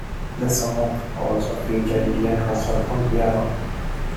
The song also featured Leon Russell on piano.